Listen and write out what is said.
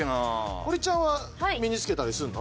堀ちゃんは身につけたりするの？